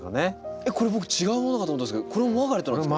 これ僕違うものかと思ったんですけどこれもマーガレットなんですか？